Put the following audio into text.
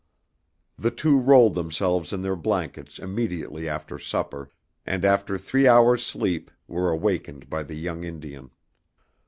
The two rolled themselves in their blankets immediately after supper, and after three hours' sleep were awakened by the young Indian.